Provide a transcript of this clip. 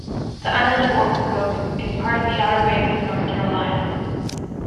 The island of Ocracoke is a part of the Outer Banks of North Carolina.